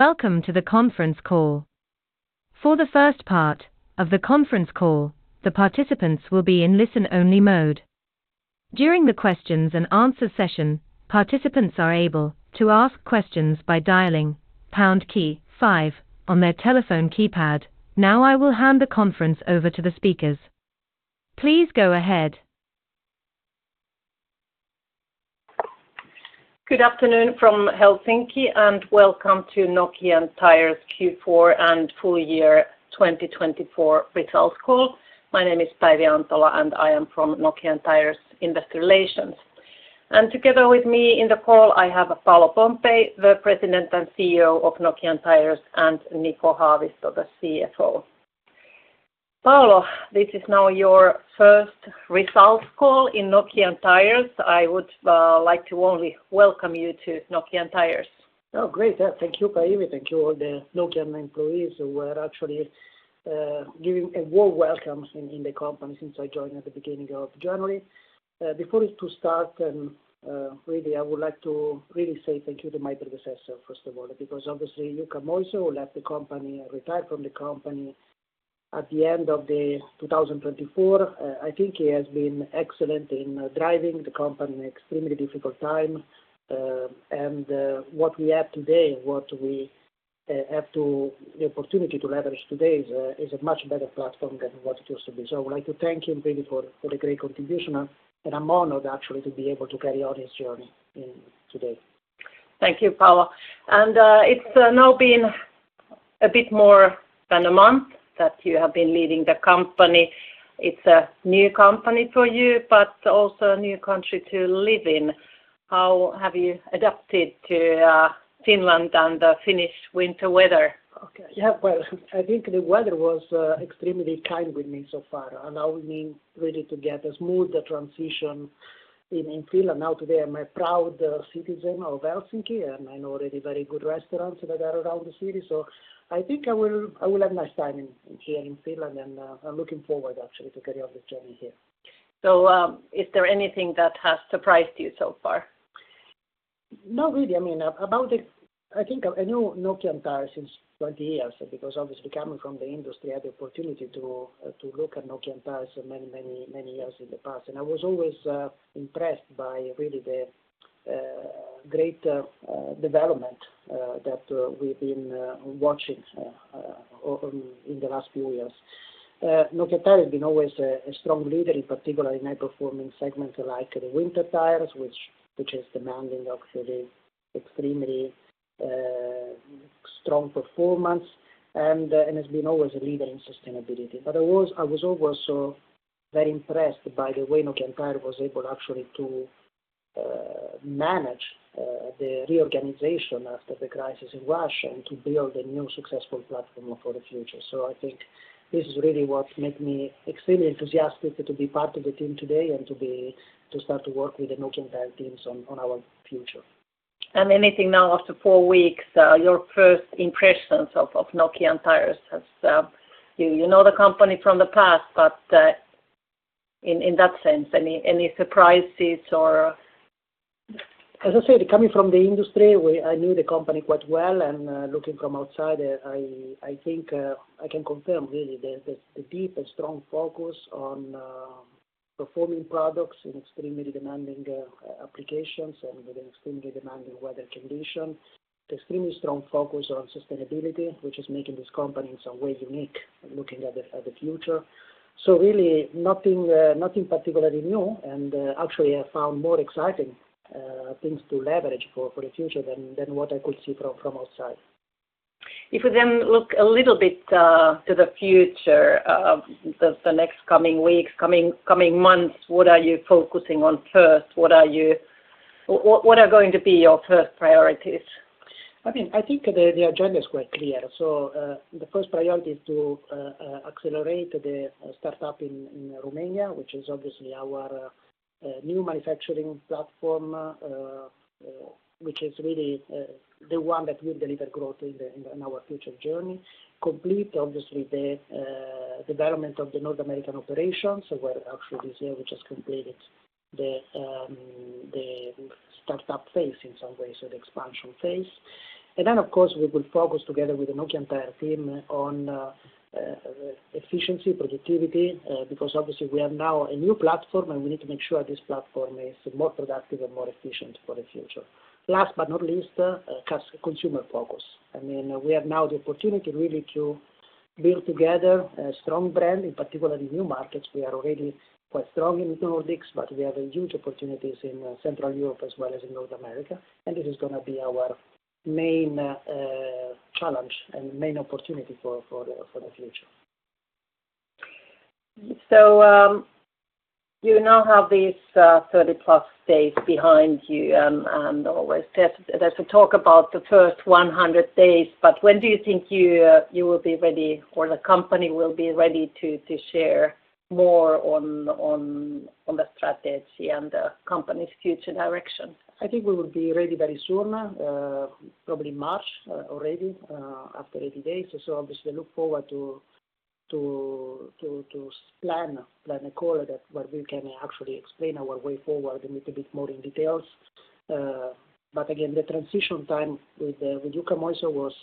Welcome to the conference call. For the first part of the conference call, the participants will be in listen-only mode. During the Q&A session, participants are able to ask questions by dialing #5 on their telephone keypad. Now I will hand the conference over to the speakers. Please go ahead. Good afternoon from Helsinki, and welcome to Nokian Tyres Q1 2024 results call. My name is Päivi Antola, and I am from Nokian Tyres Investor Relations. Together with me in the call, I have Paolo Pompei, the President and CEO of Nokian Tyres, and Niko Haavisto, the CFO. Paolo, this is now your first results call in Nokian Tyres. I would like to warmly welcome you to Nokian Tyres. Oh, great. Thank you, Päivi. Thank you, all the Nokian employees who are actually giving a warm welcome in the company since I joined at the beginning of January. Before we start, really, I would like to really say thank you to my predecessor, first of all, because obviously Jukka Moisio, who left the company and retired from the company at the end of 2024, I think he has been excellent in driving the company in an extremely difficult time, and what we have today, what we have the opportunity to leverage today, is a much better platform than what it used to be, so I would like to thank him really for the great contribution, and I'm honored actually to be able to carry on his journey today. Thank you, Paolo. And it's now been a bit more than a month that you have been leading the company. It's a new company for you, but also a new country to live in. How have you adapted to Finland and the Finnish winter weather? Yeah, well, I think the weather was extremely kind with me so far, and now we've been ready to get smooth the transition in Finland. Now today, I'm a proud citizen of Helsinki, and I know already very good restaurants that are around the city, so I think I will have a nice time here in Finland, and I'm looking forward actually to carry on the journey here. So is there anything that has surprised you so far? Not really. I mean, I think I knew Nokian Tyres since 20 years because obviously coming from the industry, I had the opportunity to look at Nokian Tyres for many, many, many years in the past, and I was always impressed by really the great development that we've been watching in the last few years. Nokian Tyres has been always a strong leader, in particular in high-performing segments like the winter tires, which is demanding of extremely strong performance, and has been always a leader in sustainability. But I was always so very impressed by the way Nokian Tyres was able actually to manage the reorganization after the crisis in Russia and to build a new successful platform for the future. So I think this is really what made me extremely enthusiastic to be part of the team today and to start to work with the Nokian Tyres teams on our future. Anything now after four weeks, your first impressions of Nokian Tyres? You know the company from the past, but in that sense, any surprises or? As I said, coming from the industry, I knew the company quite well, and looking from outside, I think I can confirm really the deep and strong focus on performing products in extremely demanding applications and with extremely demanding weather conditions. The extremely strong focus on sustainability, which is making this company in some way unique looking at the future, so really nothing particularly new, and actually, I found more exciting things to leverage for the future than what I could see from outside. If we then look a little bit to the future, the next coming weeks, coming months, what are you focusing on first? What are going to be your first priorities? I mean, I think the agenda is quite clear. So the first priority is to accelerate the startup in Romania, which is obviously our new manufacturing platform, which is really the one that will deliver growth in our future journey. Complete, obviously, the development of the North American operations, where actually this year we just completed the startup phase in some ways, so the expansion phase. And then, of course, we will focus together with the Nokian Tyres team on efficiency, productivity, because obviously we have now a new platform, and we need to make sure this platform is more productive and more efficient for the future. Last but not least, consumer focus. I mean, we have now the opportunity really to build together a strong brand, in particular in new markets. We are already quite strong in Nordics, but we have huge opportunities in Central Europe as well as in North America, and this is going to be our main challenge and main opportunity for the future. You now have these 30 plus days behind you, and there's a talk about the first 100 days, but when do you think you will be ready, or the company will be ready to share more on the strategy and the company's future direction? I think we will be ready very soon, probably March already, after 80 days. So obviously, I look forward to plan a call where we can actually explain our way forward a little bit more in details. But again, the transition time with Jukka Moisio was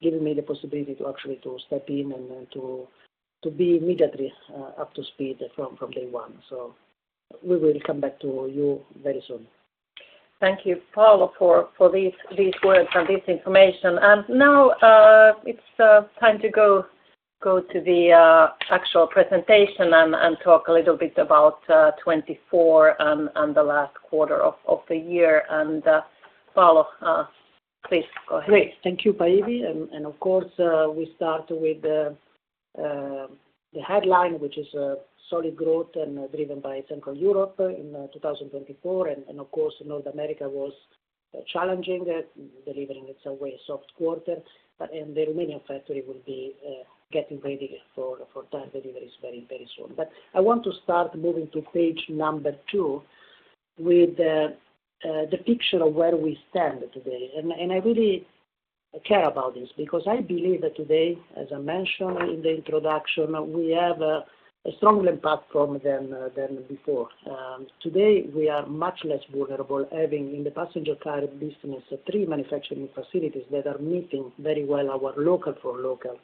giving me the possibility to actually step in and to be immediately up to speed from day one. So we will come back to you very soon. Thank you, Paolo, for these words and this information. Now it's time to go to the actual presentation and talk a little bit about 2024 and the last quarter of the year. Paolo, please go ahead. Great. Thank you, Päivi. And of course, we start with the headline, which is solid growth and driven by Central Europe in 2024. And of course, North America was challenging, delivering its soft quarter. And the Romanian factory will be getting ready for deliveries very, very soon. But I want to start moving to page number two with the picture of where we stand today. And I really care about this because I believe that today, as I mentioned in the introduction, we have a stronger platform than before. Today, we are much less vulnerable, having in the passenger car business three manufacturing facilities that are meeting very well our local-for-local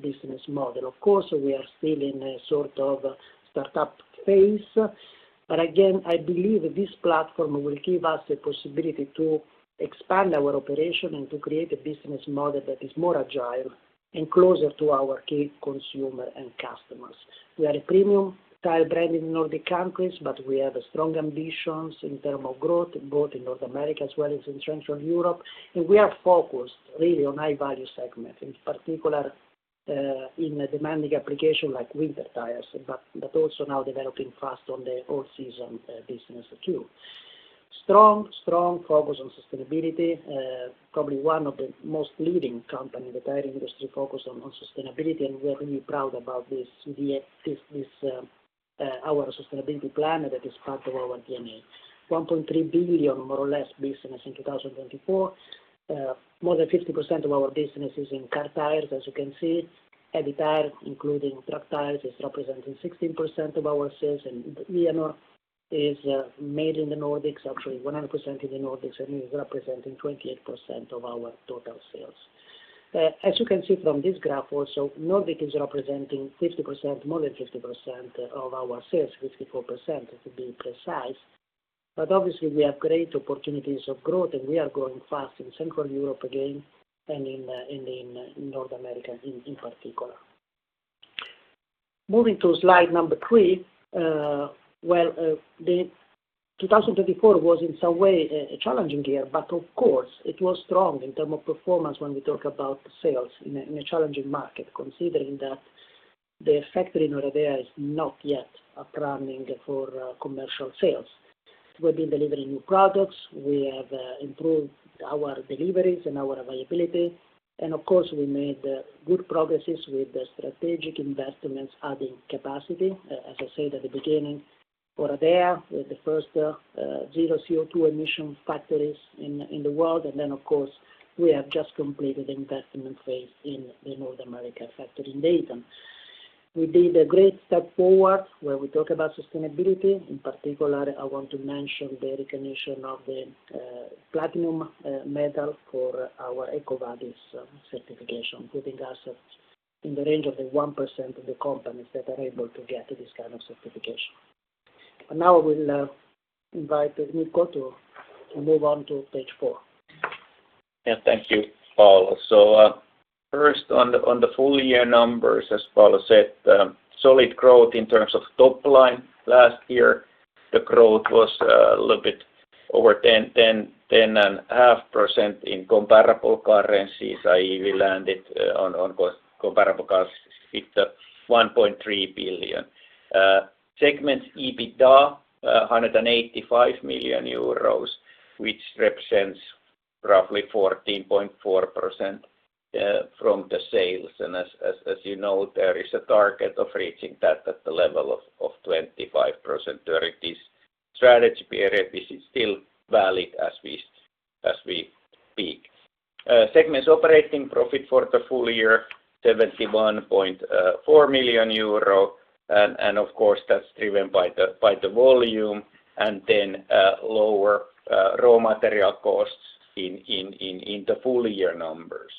business model. Of course, we are still in a sort of startup phase. But again, I believe this platform will give us the possibility to expand our operation and to create a business model that is more agile and closer to our key consumer and customers. We are a premium tire brand in Nordic countries, but we have strong ambitions in terms of growth, both in North America as well as in Central Europe. And we are focused really on high-value segments, in particular in demanding applications like winter tires, but also now developing fast on the all-season business too. Strong, strong focus on sustainability. Probably one of the most leading companies in the tire industry focused on sustainability, and we are really proud about our sustainability plan that is part of our DNA. 1.3 billion, more or less, business in 2024. More than 50% of our business is in car tires, as you can see. Heavy tires, including truck tires, is representing 16% of our sales. And Vianor is made in the Nordics, actually 100% in the Nordics, and is representing 28% of our total sales. As you can see from this graph also, Nordics is representing 50%, more than 50% of our sales, 54% to be precise. But obviously, we have great opportunities of growth, and we are growing fast in Central Europe again and in North America in particular. Moving to slide number three, well, 2024 was in some way a challenging year, but of course, it was strong in terms of performance when we talk about sales in a challenging market, considering that the factory in Oradea is not yet running for commercial sales. We've been delivering new products. We have improved our deliveries and our availability. And of course, we made good progress with strategic investments, adding capacity, as I said at the beginning. Oradea with the first zero-CO2 emission factories in the world. And then, of course, we have just completed the investment phase in the North America factory in Dayton. We did a great step forward where we talk about sustainability. In particular, I want to mention the recognition of the platinum medal for our EcoVadis certification, putting us in the range of the 1% of the companies that are able to get this kind of certification. And now I will invite Niko to move on to page four. Yeah, thank you, Paolo. So first, on the full year numbers, as Paolo said, solid growth in terms of top line last year. The growth was a little bit over 10.5% in comparable currencies. We landed on comparable currencies with 1.3 billion. Segment EBITDA, 185 million euros, which represents roughly 14.4% from the sales. And as you know, there is a target of reaching that at the level of 25%. So this strategy period is still valid as we speak. Segment operating profit for the full year, 71.4 million euro. And of course, that's driven by the volume and then lower raw material costs in the full year numbers.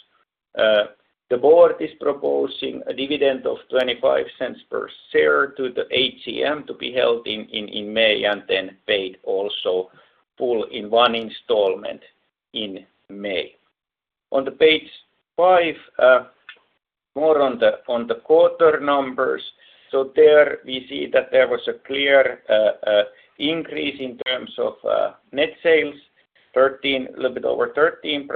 The board is proposing a dividend of 0.25 per share to the AGM to be held in May and then paid also full in one installment in May. On page five, more on the quarter numbers. So there we see that there was a clear increase in terms of net sales, a little bit over 13%.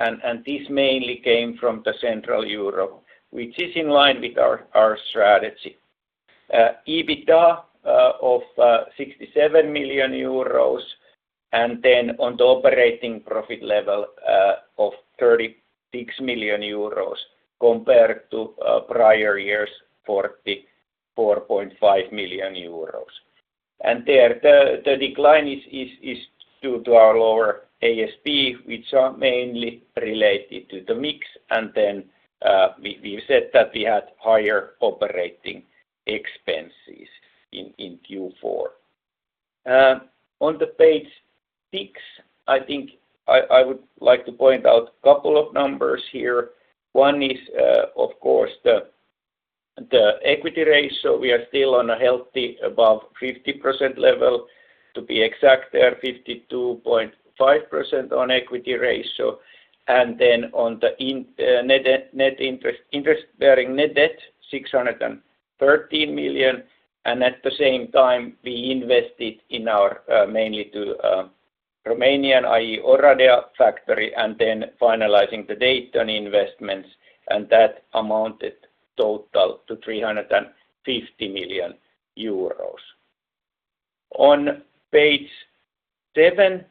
And this mainly came from Central Europe, which is in line with our strategy. EBITDA of 67 million euros. And then on the operating profit level of 36 million euros compared to prior years, 44.5 million euros. And there, the decline is due to our lower ASP, which are mainly related to the mix. And then we said that we had higher operating expenses in Q4. On page six, I think I would like to point out a couple of numbers here. One is, of course, the equity ratio. We are still on a healthy above 50% level. To be exact, there are 52.5% equity ratio. And then on the net interest-bearing debt, 613 million. At the same time, we invested mainly in the Romanian, i.e., Oradea factory, and then finalizing the Dayton investments. That amounted total to 350 million euros. On page seven,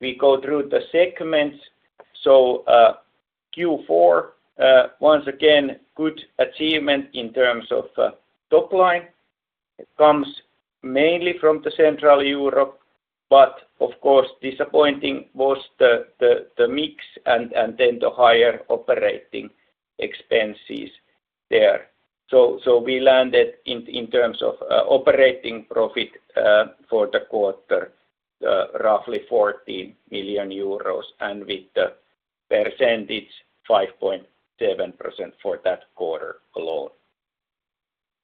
we go through the segments. Q4, once again, good achievement in terms of top line. It comes mainly from Central Europe. But of course, disappointing was the mix and then the higher operating expenses there. We landed in terms of operating profit for the quarter, roughly 14 million euros, and with the percentage, 5.7% for that quarter alone.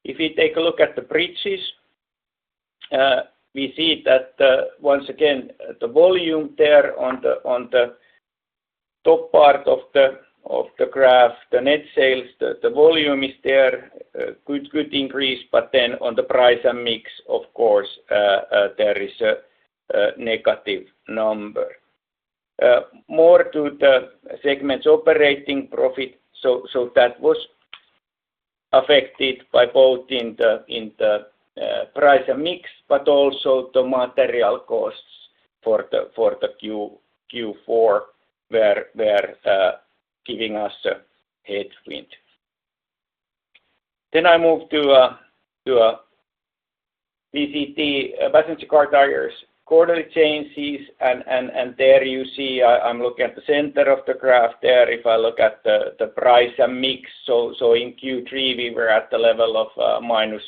If we take a look at the bridges, we see that once again, the volume there on the top part of the graph, the net sales, the volume is there, good increase, but then on the price and mix, of course, there is a negative number. Moving to the segment's operating profit. That was affected by both in the price and mix, but also the material costs for the Q4 were giving us a headwind. I move to PCT, passenger car tires quarterly changes. There you see, I'm looking at the center of the graph there. If I look at the price and mix, so in Q3, we were at the level of minus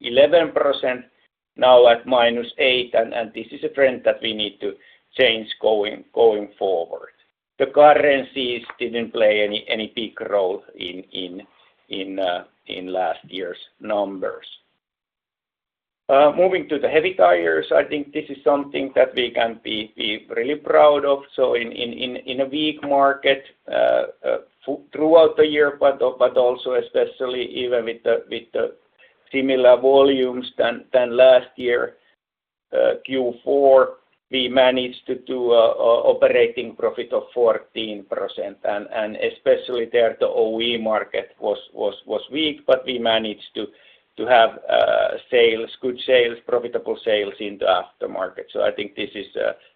11%, now at minus 8%. This is a trend that we need to change going forward. The currencies didn't play any big role in last year's numbers. Moving to the heavy tires, I think this is something that we can be really proud of. In a weak market throughout the year, but also especially even with the similar volumes than last year, Q4, we managed to do an operating profit of 14%. Especially there, the OE market was weak, but we managed to have good sales, profitable sales in the aftermarket. I think this is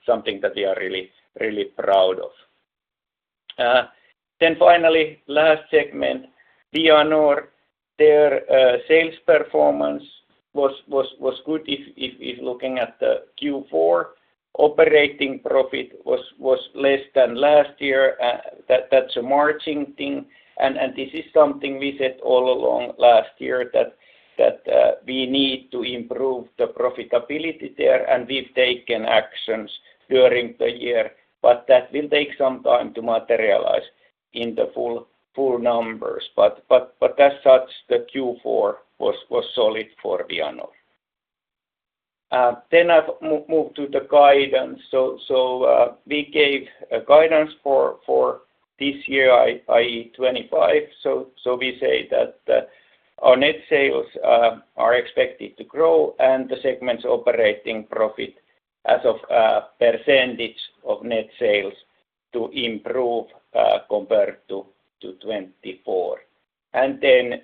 something that we are really proud of. Finally, last segment, Vianor, their sales performance was good if looking at the Q4. Operating profit was less than last year. That's a margin thing. This is something we said all along last year that we need to improve the profitability there. We've taken actions during the year, but that will take some time to materialize in the full numbers. As such, the Q4 was solid for Vianor. I move to the guidance. We gave guidance for this year, i.e., 2025. We say that our net sales are expected to grow and the segment's operating profit as a percentage of net sales to improve compared to 2024. Then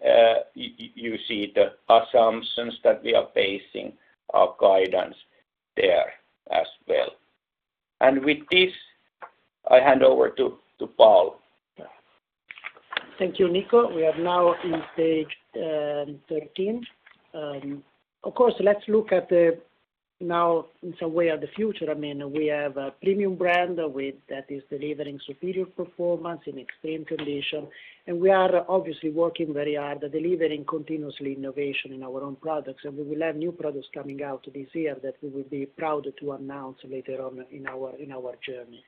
you see the assumptions that we are basing our guidance there as well. With this, I hand over to Paolo. Thank you, Niko. We are now on page 13. Of course, let's look now in some way at the future. I mean, we have a premium brand that is delivering superior performance in extreme conditions. And we are obviously working very hard at delivering continuous innovation in our own products. And we will have new products coming out this year that we will be proud to announce later on in our journey.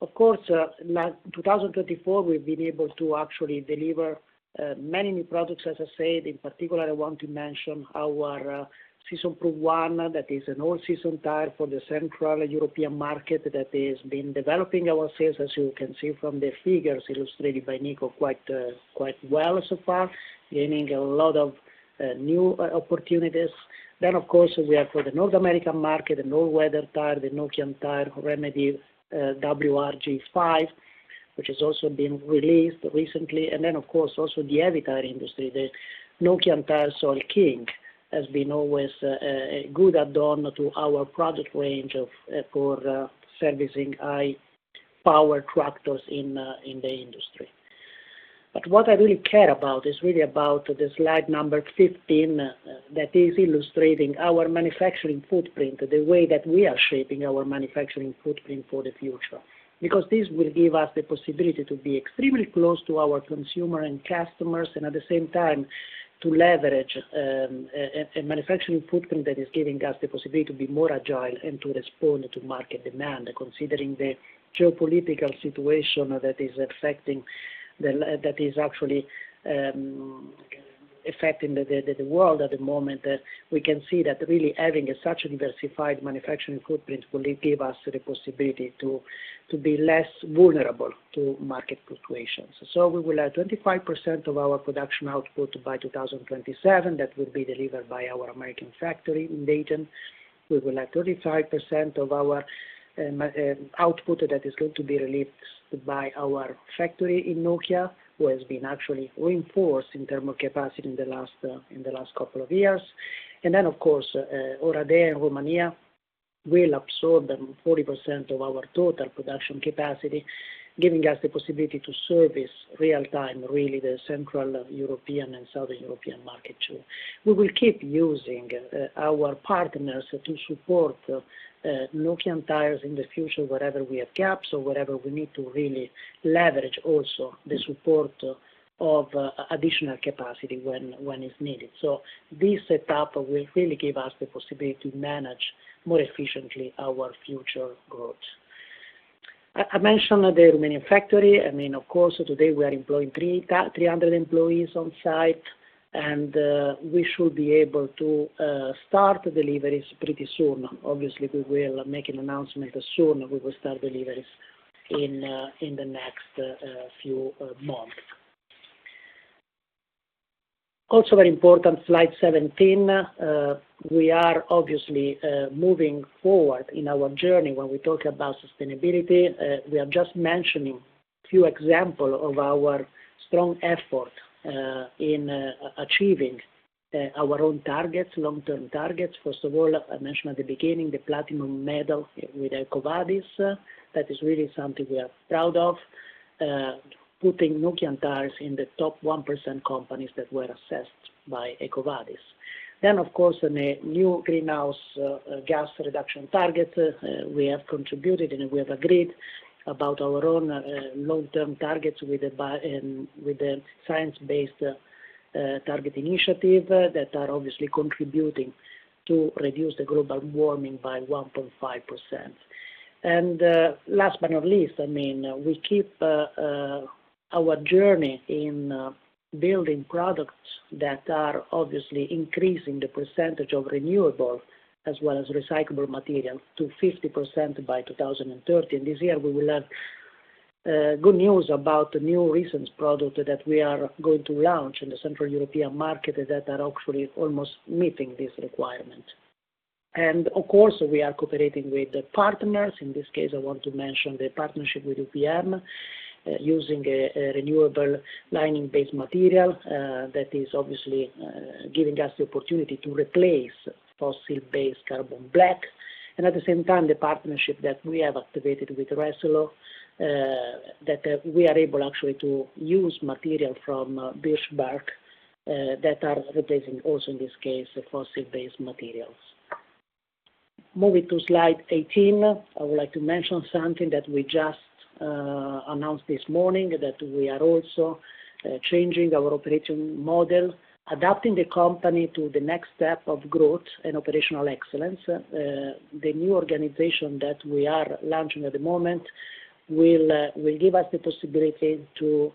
Of course, 2024, we've been able to actually deliver many new products, as I said. In particular, I want to mention our Seasonproof 1, that is an all-season tire for the Central European market that has been developing our sales, as you can see from the figures illustrated by Niko quite well so far, gaining a lot of new opportunities. Then, of course, we have for the North American market, the All-Weather Tire, the Nokian Tyres Remedy WRG5, which has also been released recently. And then, of course, also the heavy tire industry, the Nokian Tyres Soil King has always been a good addition to our product range for servicing high-powered tractors in the industry. But what I really care about is really about the slide number 15 that is illustrating our manufacturing footprint, the way that we are shaping our manufacturing footprint for the future. Because this will give us the possibility to be extremely close to our consumer and customers, and at the same time, to leverage a manufacturing footprint that is giving us the possibility to be more agile and to respond to market demand. Considering the geopolitical situation that is actually affecting the world at the moment, we can see that really having such a diversified manufacturing footprint will give us the possibility to be less vulnerable to market fluctuations. So we will have 25% of our production output by 2027 that will be delivered by our American factory in Dayton. We will have 35% of our output that is going to be released by our factory in Nokia, who has been actually reinforced in terms of capacity in the last couple of years. And then, of course, Oradea and Romania will absorb 40% of our total production capacity, giving us the possibility to service real-time, really, the Central European and Southern European market too. We will keep using our partners to support Nokian Tyres in the future, wherever we have gaps or wherever we need to really leverage also the support of additional capacity when it's needed. So this setup will really give us the possibility to manage more efficiently our future growth. I mentioned the Romanian factory. I mean, of course, today we are employing 300 employees on site. And we should be able to start deliveries pretty soon. Obviously, we will make an announcement as soon as we will start deliveries in the next few months. Also very important, slide 17. We are obviously moving forward in our journey when we talk about sustainability. We are just mentioning a few examples of our strong effort in achieving our own targets, long-term targets. First of all, I mentioned at the beginning the platinum medal with EcoVadis. That is really something we are proud of, putting Nokian Tyres in the top 1% companies that were assessed by EcoVadis, then of course on the new greenhouse gas reduction targets, we have contributed and we have agreed about our own long-term targets with the Science Based Targets initiative that are obviously contributing to reduce the global warming by 1.5%. And last but not least, I mean, we keep our journey in building products that are obviously increasing the percentage of renewable as well as recyclable materials to 50% by 2030, and this year we will have good news about the new recent product that we are going to launch in the Central European market that are actually almost meeting this requirement. And of course, we are cooperating with the partners. In this case, I want to mention the partnership with UPM using a renewable lining-based material that is obviously giving us the opportunity to replace fossil-based carbon black. And at the same time, the partnership that we have activated with Resello, that we are able actually to use material from birch bark that are replacing also in this case fossil-based materials. Moving to slide 18, I would like to mention something that we just announced this morning, that we are also changing our operating model, adapting the company to the next step of growth and operational excellence. The new organization that we are launching at the moment will give us the possibility to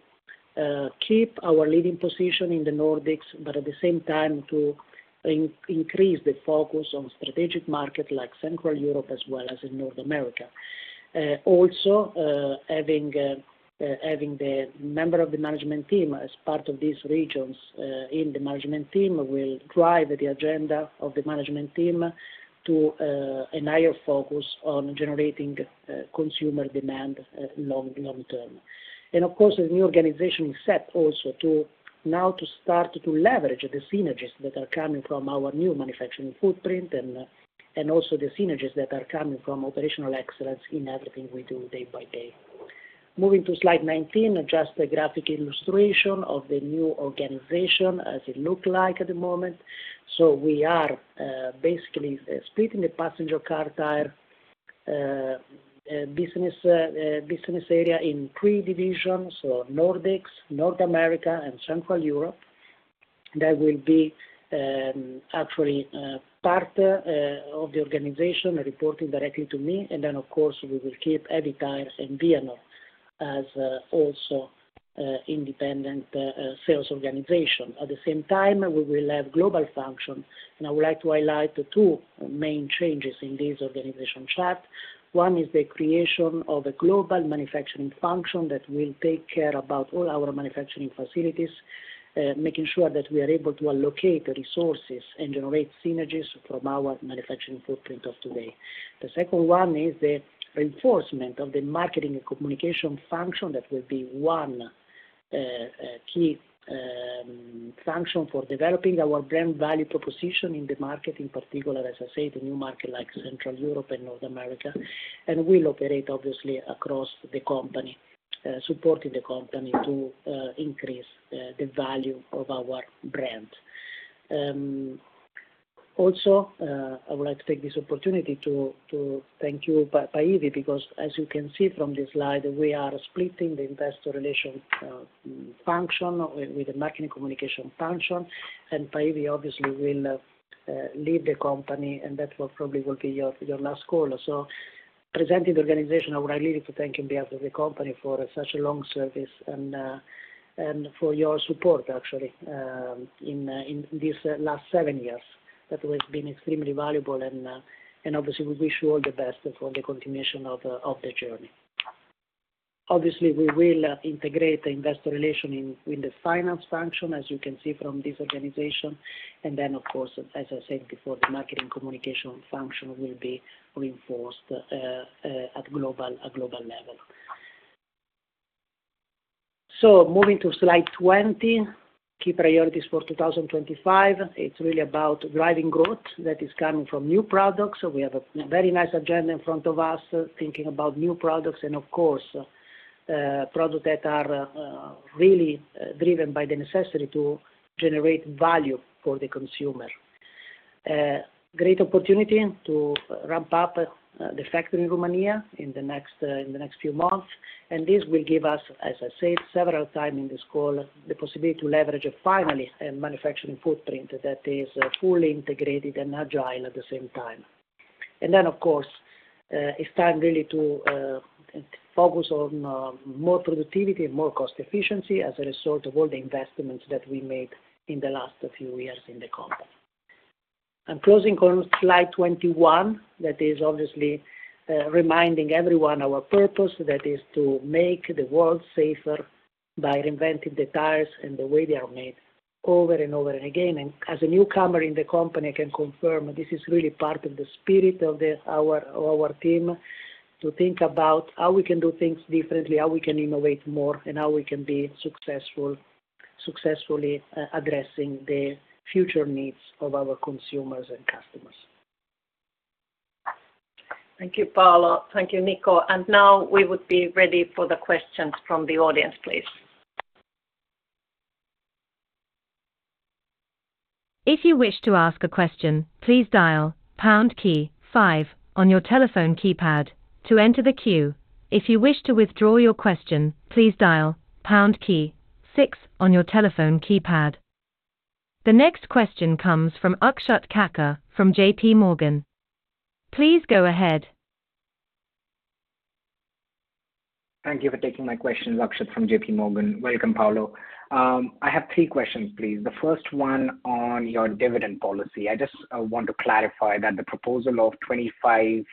keep our leading position in the Nordics, but at the same time, to increase the focus on strategic markets like Central Europe as well as in North America. Also, having the member of the management team as part of these regions in the management team will drive the agenda of the management team to a higher focus on generating consumer demand long term. And of course, the new organization is set also now to start to leverage the synergies that are coming from our new manufacturing footprint and also the synergies that are coming from operational excellence in everything we do day by day. Moving to slide 19, just a graphic illustration of the new organization as it looks like at the moment. So we are basically splitting the passenger car tire business area in three divisions: Nordics, North America, and Central Europe. That will be actually part of the organization reporting directly to me. And then, of course, we will keep heavy tires in Vianor as also independent sales organization. At the same time, we will have global function, and I would like to highlight two main changes in this organization chart. One is the creation of a global manufacturing function that will take care of all our manufacturing facilities, making sure that we are able to allocate resources and generate synergies from our manufacturing footprint of today. The second one is the reinforcement of the marketing and communication function that will be one key function for developing our brand value proposition in the market, in particular, as I said, the new market like Central Europe and North America, and we'll operate obviously across the company, supporting the company to increase the value of our brand. Also, I would like to take this opportunity to thank you, Päivi, because as you can see from this slide, we are splitting the investor relations function with the marketing communication function. And Päivi obviously will lead the company, and that probably will be your last call. So presenting the organization, I would like really to thank you on behalf of the company for such a long service and for your support, actually, in these last seven years. That has been extremely valuable. And obviously, we wish you all the best for the continuation of the journey. Obviously, we will integrate the investor relations with the finance function, as you can see from this organization. And then, of course, as I said before, the marketing communication function will be reinforced at a global level. So moving to slide 20, key priorities for 2025. It's really about driving growth that is coming from new products. We have a very nice agenda in front of us, thinking about new products and, of course, products that are really driven by the necessity to generate value for the consumer. Great opportunity to ramp up the factory in Romania in the next few months, and this will give us, as I said several times in this call, the possibility to leverage finally a manufacturing footprint that is fully integrated and agile at the same time, and then, of course, it's time really to focus on more productivity and more cost efficiency as a result of all the investments that we made in the last few years in the company. I'm closing on slide 21, that is obviously reminding everyone our purpose, that is to make the world safer by reinventing the tires and the way they are made over and over and again. As a newcomer in the company, I can confirm this is really part of the spirit of our team, to think about how we can do things differently, how we can innovate more, and how we can be successfully addressing the future needs of our consumers and customers. Thank you, Paolo. Thank you, Niko. And now we would be ready for the questions from the audience, please. If you wish to ask a question, please dial #5 on your telephone keypad to enter the queue. If you wish to withdraw your question, please dial #6 on your telephone keypad. The next question comes from Akshat Kacker from J.P. Morgan. Please go ahead. Thank you for taking my question, Akshat from JP Morgan. Welcome, Paolo. I have three questions, please. The first one on your dividend policy. I just want to clarify that the proposal of 0.25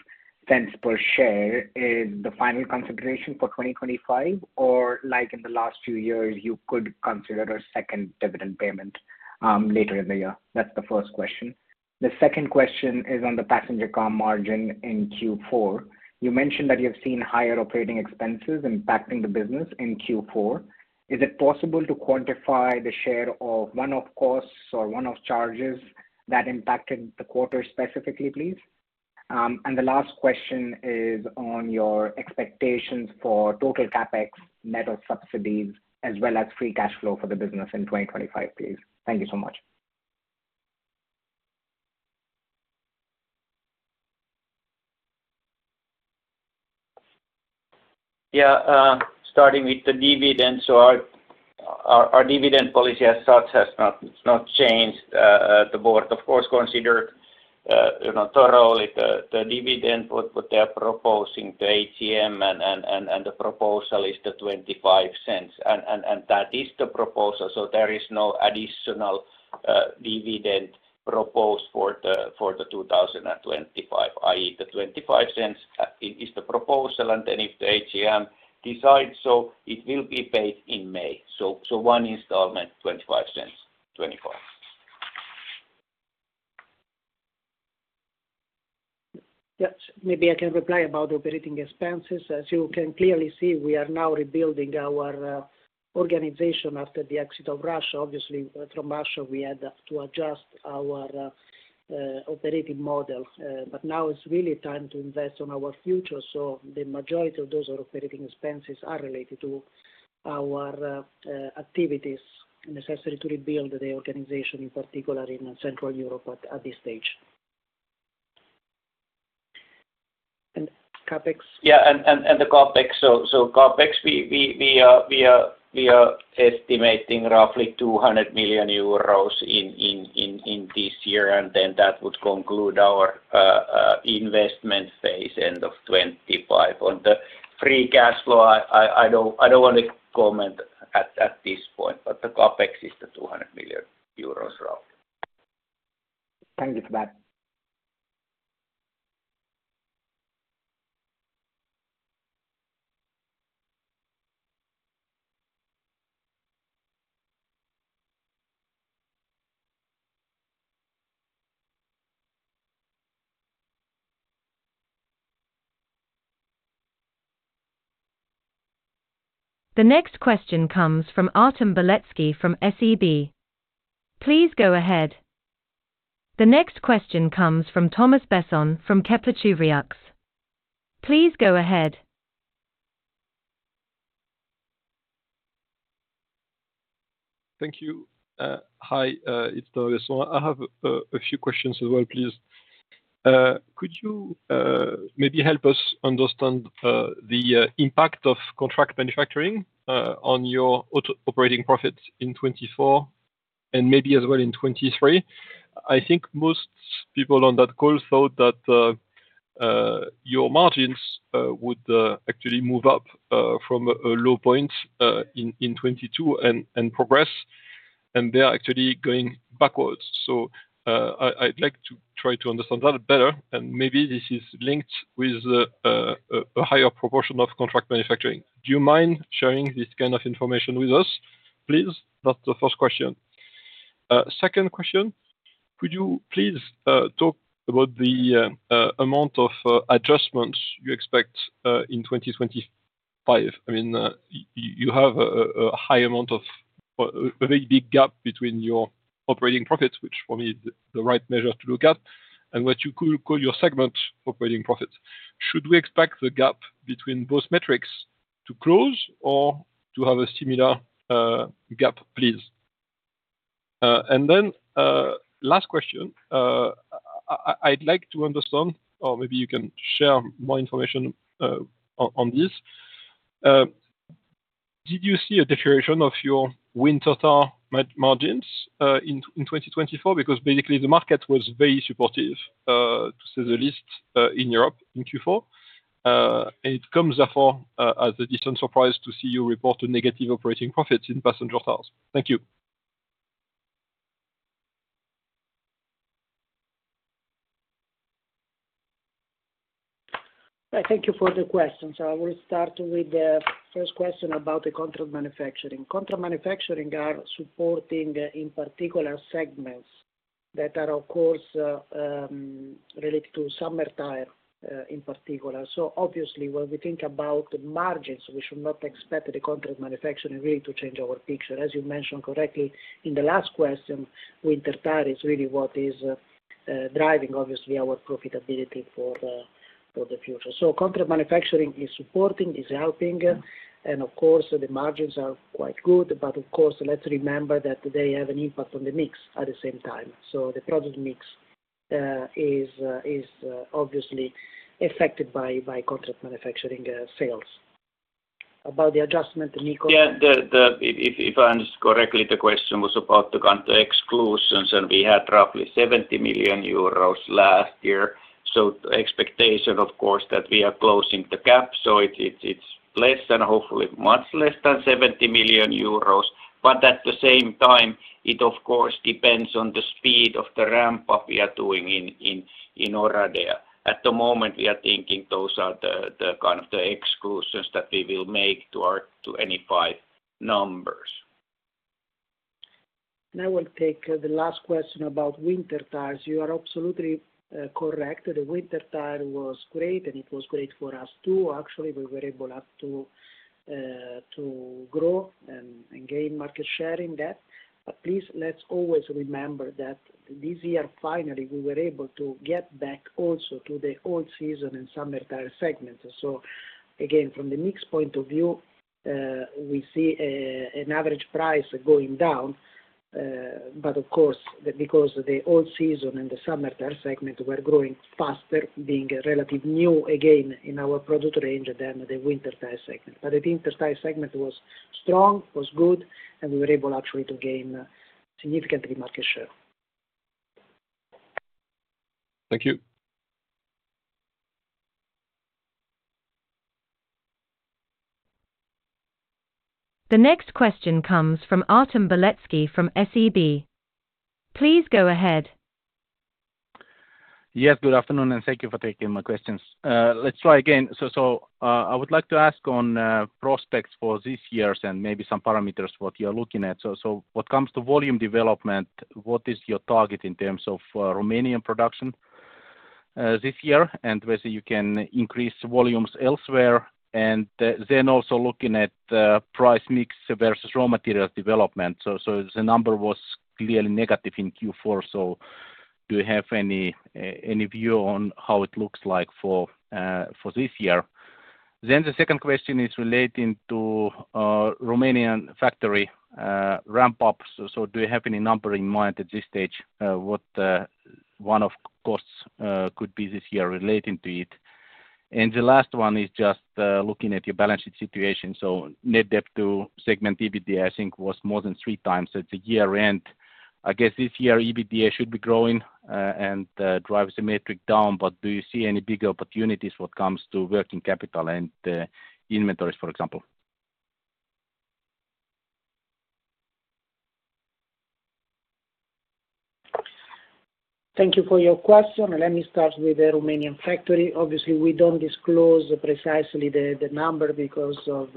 per share is the final consideration for 2025, or like in the last few years, you could consider a second dividend payment later in the year. That's the first question. The second question is on the passenger car margin in Q4. You mentioned that you have seen higher operating expenses impacting the business in Q4. Is it possible to quantify the share of one-off costs or one-off charges that impacted the quarter specifically, please? And the last question is on your expectations for total CapEx, net of subsidies, as well as free cash flow for the business in 2025, please. Thank you so much. Yeah. Starting with the dividend, our dividend policy as such has not changed. The board, of course, considered thoroughly the dividend, what they are proposing to AGM, and the proposal is 0.25. That is the proposal. There is no additional dividend proposed for 2025, i.e., 0.25 is the proposal. Then if the AGM decides, it will be paid in May. One installment, 0.25, 0.25. Yep. Maybe I can reply about operating expenses. As you can clearly see, we are now rebuilding our organization after the exit of Russia. Obviously, from Russia, we had to adjust our operating model. But now it's really time to invest in our future. So the majority of those operating expenses are related to our activities necessary to rebuild the organization, in particular, in Central Europe at this stage. And CapEx? Yeah. And the CapEx. So, CapEx, we are estimating roughly 200 million euros in this year. And then that would conclude our investment phase end of 2025. On the free cash flow, I don't want to comment at this point, but the CapEx is the 200 million euros roughly. Thank you for that. The next question comes from Artem Beletski from SEB. Please go ahead. The next question comes from Thomas Besson from Kepler Cheuvreux. Please go ahead. Thank you. Hi, it's Thomas Besson. I have a few questions as well, please. Could you maybe help us understand the impact of contract manufacturing on your operating profits in 2024 and maybe as well in 2023? I think most people on that call thought that your margins would actually move up from a low point in 2022 and progress, and they are actually going backwards. So I'd like to try to understand that better, and maybe this is linked with a higher proportion of contract manufacturing. Do you mind sharing this kind of information with us, please? That's the first question. Second question, could you please talk about the amount of adjustments you expect in 2025? I mean, you have a high amount of a very big gap between your operating profits, which for me is the right measure to look at, and what you call your segment operating profits. Should we expect the gap between those metrics to close or to have a similar gap, please? And then last question, I'd like to understand, or maybe you can share more information on this. Did you see a deterioration of your winter tire margins in 2024? Because basically, the market was very supportive, to say the least, in Europe in Q4. And it comes therefore as a decent surprise to see you report a negative operating profit in passenger tires. Thank you. Thank you for the question. So I will start with the first question about the contract manufacturing. Contract manufacturing are supporting in particular segments that are, of course, related to summer tire in particular. So obviously, when we think about margins, we should not expect the contract manufacturing really to change our picture. As you mentioned correctly in the last question, winter tire is really what is driving, obviously, our profitability for the future. So contract manufacturing is supporting, is helping, and of course, the margins are quite good. But of course, let's remember that they have an impact on the mix at the same time. So the product mix is obviously affected by contract manufacturing sales. About the adjustment, Niko. Yeah. If I understood correctly, the question was about the contract exclusions, and we had roughly 70 million euros last year. So the expectation, of course, that we are closing the gap. So it's less, and hopefully much less than 70 million euros. But at the same time, it, of course, depends on the speed of the ramp-up we are doing in Oradea. At the moment, we are thinking those are the kind of exclusions that we will make to any five numbers. I will take the last question about winter tires. You are absolutely correct. The winter tire was great, and it was great for us too. Actually, we were able to grow and gain market share in that. But please, let's always remember that this year, finally, we were able to get back also to the all-season and summer tire segments. So again, from the mix point of view, we see an average price going down. But of course, because the all-season and the summer tire segment were growing faster, being relatively new again in our product range than the winter tire segment. But the winter tire segment was strong, was good, and we were able actually to gain significantly market share. Thank you. The next question comes from Artem Beletski from SEB. Please go ahead. Yes. Good afternoon, and thank you for taking my questions. Let's try again. So I would like to ask on prospects for this year and maybe some parameters what you are looking at. So what comes to volume development? What is your target in terms of Romanian production this year? And whether you can increase volumes elsewhere, and then also looking at price mix versus raw materials development. So the number was clearly negative in Q4. So do you have any view on how it looks like for this year? Then the second question is relating to Romanian factory ramp-up. So do you have any number in mind at this stage? What one-off costs could be this year relating to it? And the last one is just looking at your balance sheet situation. So net debt to segment EBITDA, I think, was more than three times at the year-end. I guess this year EBITDA should be growing and driving the metric down. But do you see any big opportunities when it comes to working capital and inventories, for example? Thank you for your question. Let me start with the Romanian factory. Obviously, we don't disclose precisely the number because of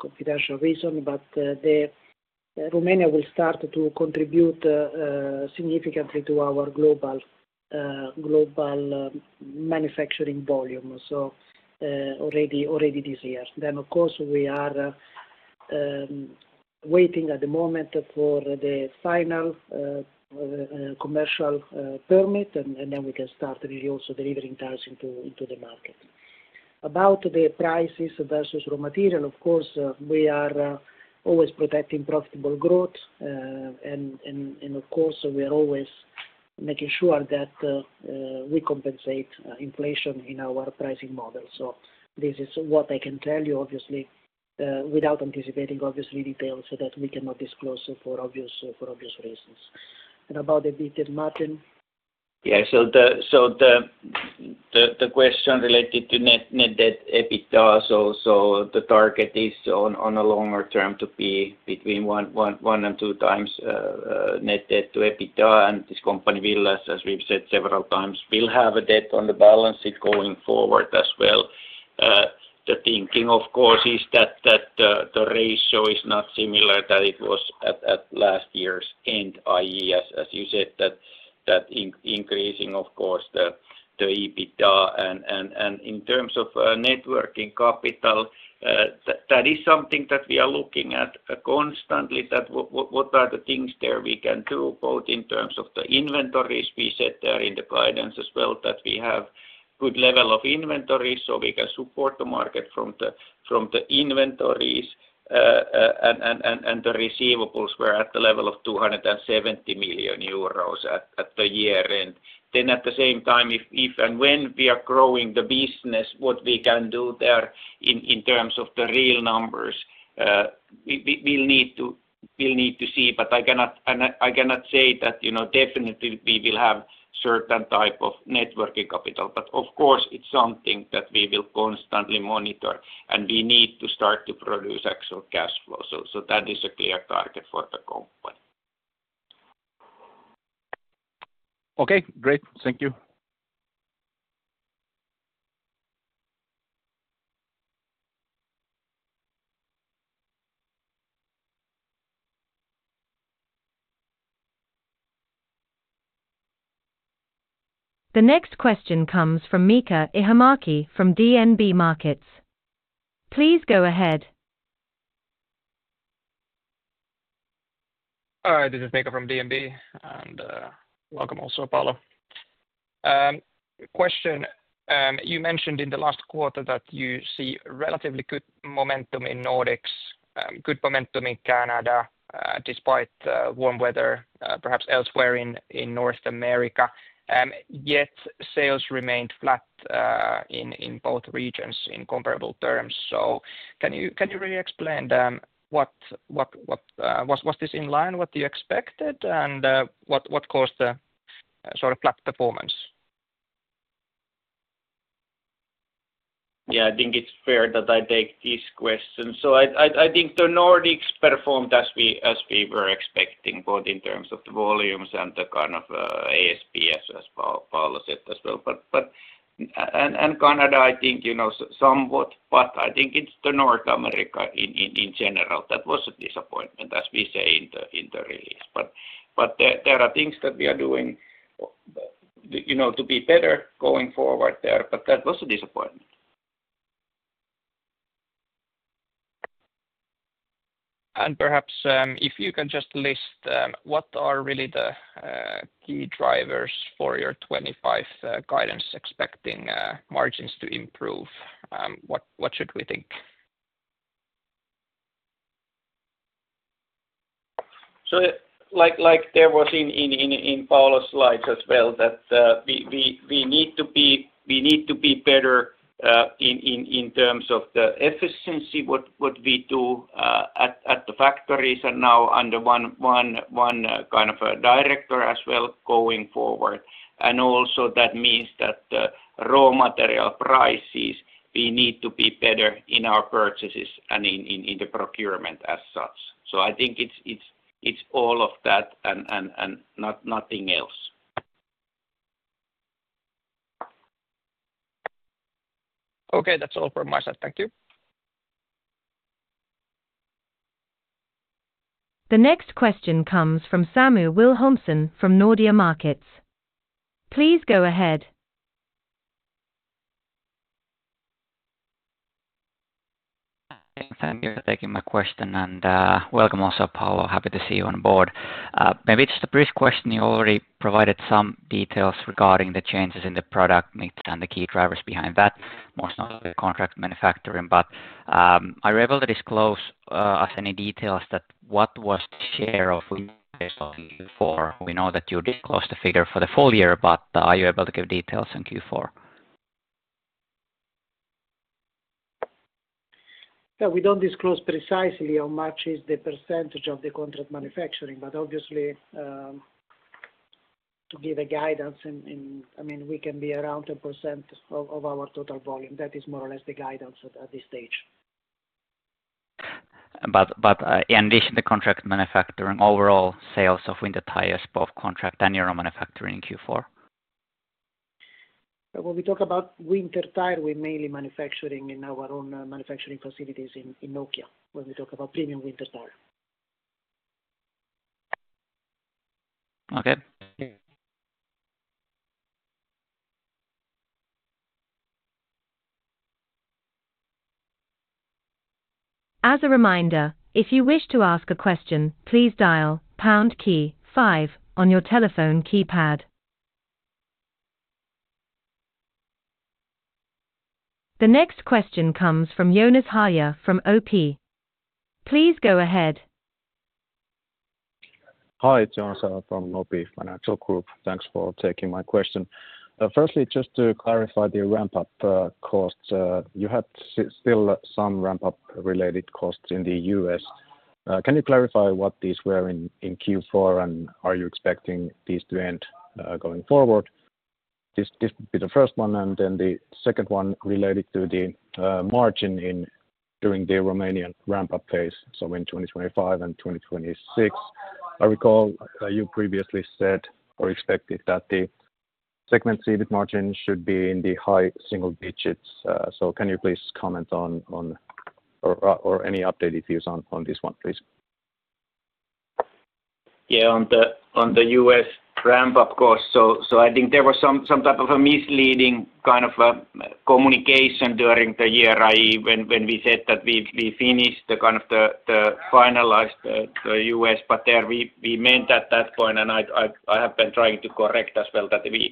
confidential reasons. But Romania will start to contribute significantly to our global manufacturing volume, so already this year. Then, of course, we are waiting at the moment for the final commercial permit, and then we can start really also delivering tires into the market. About the prices versus raw material, of course, we are always protecting profitable growth. And of course, we are always making sure that we compensate inflation in our pricing model. So this is what I can tell you, obviously, without anticipating, obviously, details that we cannot disclose for obvious reasons. And about EBITDA, Martin? Yeah. So the question related to net debt/EBITDA, so the target is on a longer term to be between one and two times net debt to EBITDA. And this company, Vianor, as we've said several times, will have a debt on the balance sheet going forward as well. The thinking, of course, is that the ratio is not similar to what it was at last year's end, i.e., as you said, that increasing, of course, the EBITDA. And in terms of working capital, that is something that we are looking at constantly, that what are the things there we can do, both in terms of the inventories we set there in the guidance as well, that we have a good level of inventories so we can support the market from the inventories. And the receivables were at the level of 270 million euros at the year-end. Then at the same time, if and when we are growing the business, what we can do there in terms of the real numbers, we'll need to see. But I cannot say that definitely we will have a certain type of working capital. But of course, it's something that we will constantly monitor, and we need to start to produce actual cash flow. So that is a clear target for the company. Okay. Great. Thank you. The next question comes from Miika Ihamäki from DNB Markets. Please go ahead. Hi. This is Miika from DNB, and welcome also, Paolo. Question. You mentioned in the last quarter that you see relatively good momentum in Nordics, good momentum in Canada despite warm weather, perhaps elsewhere in North America. Yet sales remained flat in both regions in comparable terms. So can you really explain what was this in line with what you expected, and what caused the sort of flat performance? Yeah. I think it's fair that I take this question. So I think the Nordics performed as we were expecting, both in terms of the volumes and the kind of ASPs, as Paolo said, as well. And Canada, I think, somewhat, but I think it's the North America in general. That was a disappointment, as we say in the release. But there are things that we are doing to be better going forward there. But that was a disappointment. Perhaps if you can just list what are really the key drivers for your 2025 guidance expecting margins to improve, what should we think? So like there was in Paolo's slides as well, that we need to be better in terms of the efficiency, what we do at the factories, and now under one kind of director as well going forward. And also that means that raw material prices, we need to be better in our purchases and in the procurement as such. So I think it's all of that and nothing else. Okay. That's all from my side. Thank you. The next question comes from from Nordea Markets. Please go ahead. Thank you for taking my question. And welcome also, Paolo. Happy to see you on board. Maybe just a brief question. You already provided some details regarding the changes in the product mix and the key drivers behind that, most notably contract manufacturing. But are you able to disclose us any details that what was the share of Q4? We know that you disclosed the figure for the full year, but are you able to give details on Q4? Yeah. We don't disclose precisely how much is the percentage of the contract manufacturing. But obviously, to give a guidance, I mean, we can be around 10% of our total volume. That is more or less the guidance at this stage. But in addition to contract manufacturing, overall sales of winter tires, both contract and your own manufacturing in Q4? When we talk about winter tire, we're mainly manufacturing in our own manufacturing facilities in Nokia, when we talk about premium winter tire. Okay. As a reminder, if you wish to ask a question, please dial #5 on your telephone keypad. The next question comes from Joonas Häyhä from OP. Please go ahead. Hi. Joonas Häyhä from OP Financial Group. Thanks for taking my question. Firstly, just to clarify the ramp-up costs, you had still some ramp-up-related costs in the U.S. Can you clarify what these were in Q4, and are you expecting these to end going forward? This would be the first one. And then the second one related to the margin during the Romanian ramp-up phase, so in 2025 and 2026. I recall you previously said or expected that the segment EBIT margin should be in the high single digits. So can you please comment on, or any updated views on this one, please? Yeah. On the U.S. ramp-up costs, so I think there was some type of a misleading kind of communication during the year, i.e., when we said that we finished the kind of the finalized U.S., but there we meant at that point, and I have been trying to correct as well that we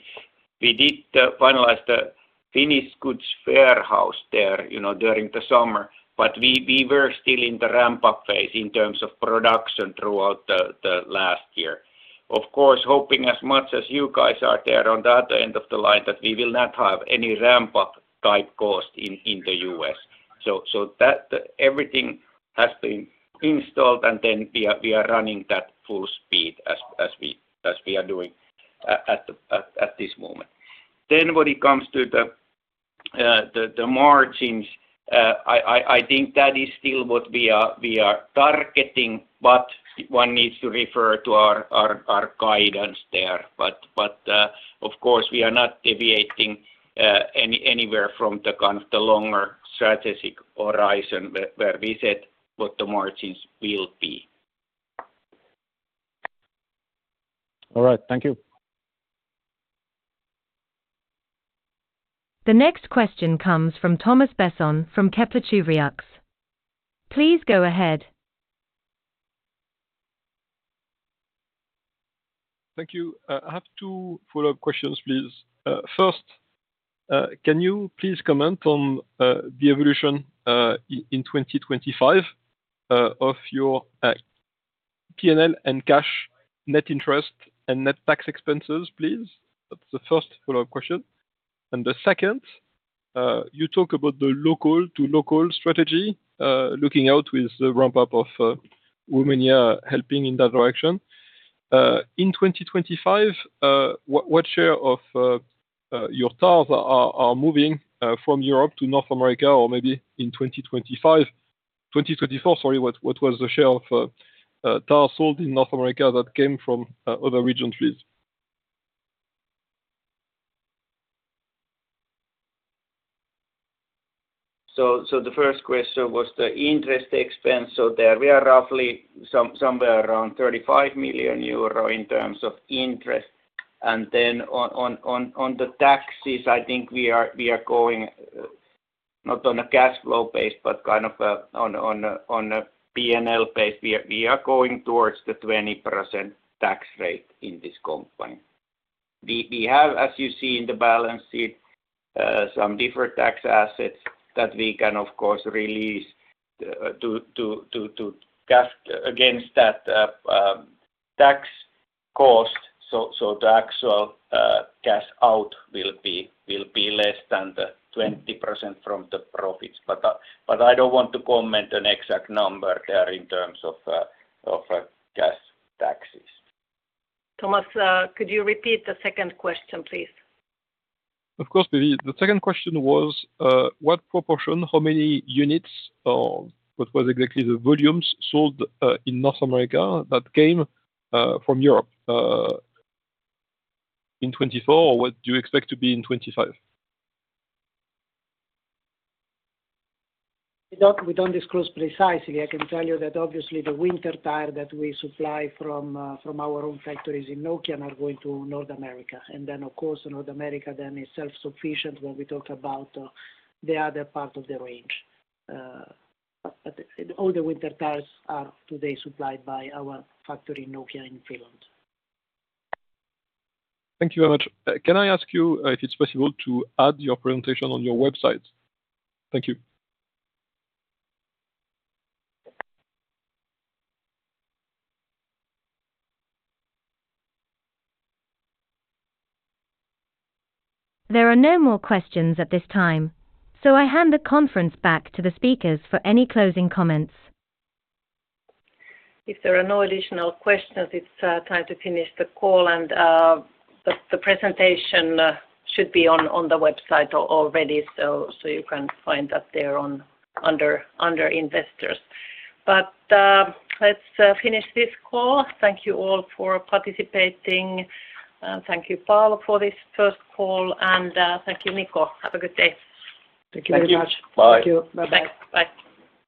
did finalize the finished goods warehouse there during the summer, but we were still in the ramp-up phase in terms of production throughout the last year. Of course, hoping as much as you guys are there on the other end of the line that we will not have any ramp-up type cost in the U.S., so everything has been installed, and then we are running at full speed as we are doing at this moment. Then when it comes to the margins, I think that is still what we are targeting, but one needs to refer to our guidance there. But of course, we are not deviating anywhere from the kind of the longer strategic horizon where we said what the margins will be. All right. Thank you. The next question comes from Thomas Besson from Kepler Cheuvreux. Please go ahead. Thank you. I have two follow-up questions, please. First, can you please comment on the evolution in 2025 of your P&L and cash net interest and net tax expenses, please? That's the first follow-up question. And the second, you talk about the local-to-local strategy looking out with the ramp-up of Romania helping in that direction. In 2025, what share of your tires are moving from Europe to North America or maybe in 2025, 2024, sorry, what was the share of tires sold in North America that came from other regions, please? So the first question was the interest expense. So there we are roughly somewhere around 35 million euro in terms of interest. And then on the taxes, I think we are going not on a cash flow base, but kind of on a P&L base, we are going towards the 20% tax rate in this company. We have, as you see in the balance sheet, some different tax assets that we can, of course, release to cash against that tax cost. So the actual cash out will be less than the 20% from the profits. But I don't want to comment on an exact number there in terms of cash taxes. Thomas, could you repeat the second question, please? Of course, Päivi. The second question was what proportion, how many units, or what was exactly the volumes sold in North America that came from Europe in 2024, or what do you expect to be in 2025? We don't disclose precisely. I can tell you that obviously the winter tire that we supply from our own factories in Nokia are going to North America. And then, of course, North America then is self-sufficient when we talk about the other part of the range. But all the winter tires are today supplied by our factory in Nokia in Finland. Thank you very much. Can I ask you if it's possible to add your presentation on your website? Thank you. There are no more questions at this time, so I hand the conference back to the speakers for any closing comments. If there are no additional questions, it's time to finish the call. And the presentation should be on the website already, so you can find that there under investors. But let's finish this call. Thank you all for participating. Thank you, Paolo, for this first call. And thank you, Niko. Have a good day. Thank you very much. Thank you. Bye. Thank you. Bye-bye. Bye.